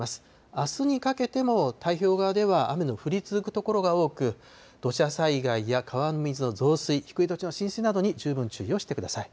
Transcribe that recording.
あすにかけても太平洋側では雨の降り続く所が多く、土砂災害や川の水の増水、低い土地の浸水などに十分注意をしてください。